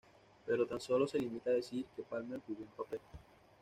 Pero tan sólo se limita a decir que Palmer "jugó un papel".